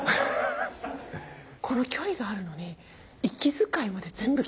この距離があるのに息遣いまで全部聞こえる。